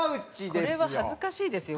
これは恥ずかしいですよ